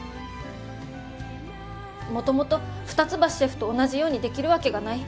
もともと二ツ橋シェフと同じようにできるわけがない。